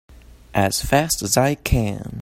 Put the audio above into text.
As fast as I can!